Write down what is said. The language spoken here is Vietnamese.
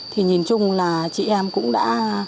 thì nhìn chung là chị em cũng đã